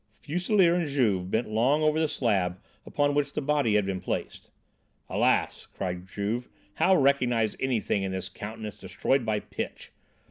Fuselier and Juve bent long over the slab upon which the body had been placed. "Alas!" cried Juve, "how recognise anything in this countenance destroyed by pitch?